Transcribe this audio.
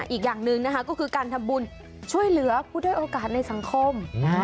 อีกอย่างหนึ่งนะคะก็คือการทำบุญช่วยเหลือผู้ด้วยโอกาสในสังคม